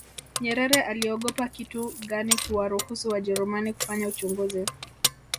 nyerere aliogopa kitu gani kuwaruhusu wajerumani kufanya uchunguzi